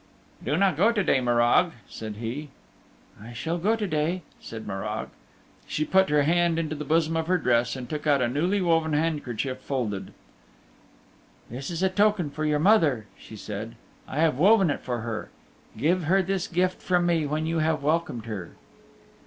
"Do not go to day, Morag," said he. "I shall go to day," said Morag. She put her hand into the bosom of her dress and took out a newly woven handkerchief folded. "This is a token for your mother," she said. "I have woven it for her. Give her this gift from me when you have welcomed her."